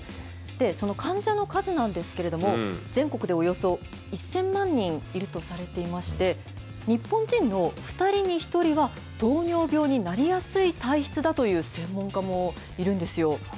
その患者の数なんですけれども、全国でおよそ１０００万人いるとされていまして、日本人の２人に１人は、糖尿病になりやすい体質だという専門家もいるんですよ。